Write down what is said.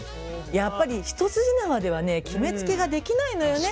やっぱり一筋縄ではね決めつけができないのよね。